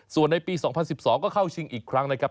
ส่วนในปี๒๐๑๒ก็เข้าชิงอีกครั้งนะครับ